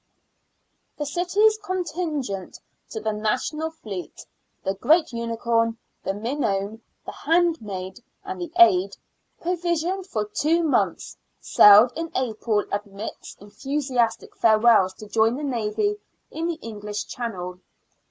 This city's contingent to the national fleet — the Great Unicorn, the Minion, the Handmaid, and the Aid, pro visioned for two months — sailed in April amidst enthu siastic farewells to join the Navy in the English Channel.